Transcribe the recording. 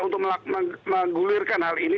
untuk menggulirkan hal ini